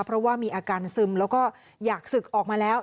เพราะว่ามีอาการซึมแล้วก็อยากศึกออกมาแล้ว